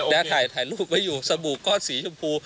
ถ่ายถ่ายรูปไว้อยู่สบู่ก้อนสีชมพู